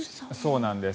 そうなんです。